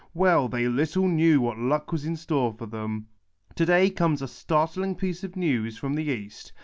Well, they little knew what luck was in store for them ! To day comes a startling piece of news from the East.